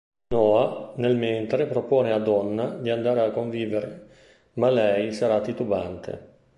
Noah nel mentre propone a Donna di andare a convivere ma lei sarà titubante.